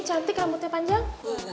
cantik rambutnya panjang